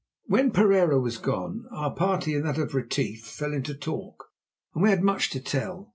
When Pereira was gone, our party and that of Retief fell into talk, and we had much to tell.